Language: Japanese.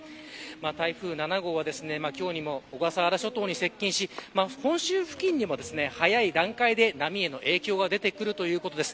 台風７号は今日にも小笠原諸島に接近し本州付近にも早い段階で波への影響が出てくるということです。